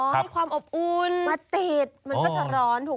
อ๋อให้ความอบอุ้นมาเต็ดมันก็จะร้อนถูกไหมอ๋อ